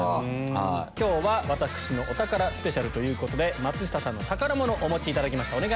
今日は「私のお宝ＳＰ」ということで松下さんの宝物お持ちいただきました。